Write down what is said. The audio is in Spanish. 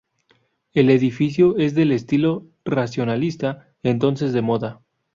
El edificio es del estilo racionalista entonces de moda.